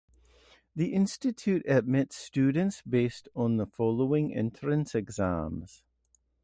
The institute admits students based on the following entrance exams.